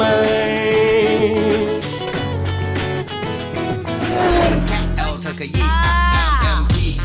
อ้าววา๊กอ้าววา๊กเอ็มพี่